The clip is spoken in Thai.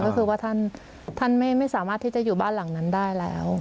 ก็คือว่าท่านไม่สามารถที่จะอยู่บ้านหลังนั้นได้แล้ว